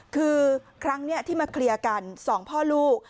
คือครั้งนี้ที่มาเคลียร์กัน๒พ่อลูก